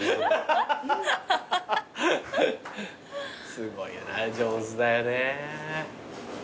すごいな上手だよね。